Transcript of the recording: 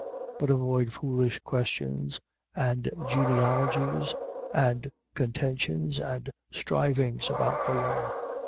3:9. But avoid foolish questions and genealogies and contentions and strivings about the law.